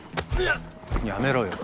やめろよ。